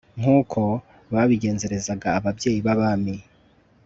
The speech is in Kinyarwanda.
nk'uko babigenzerezaga ababyeyi b'abami